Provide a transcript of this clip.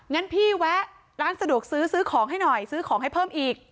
งั้นพี่แวะร้านสะดวกซื้อซื้อของให้หน่อยซื้อของให้เพิ่มอีก